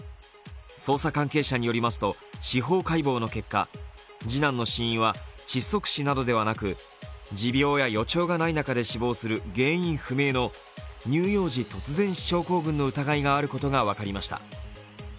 捜査関係者によりますと司法解剖の結果次男の死因は窒息死などではなく持病や予兆がない中で死亡する、原因不明の乳幼児突然死症候群の疑いがあることが分かりました。